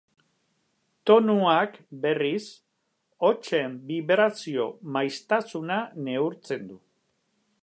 Tonuak, berriz, hotsen bibrazio-maiztasuna neurtzen du.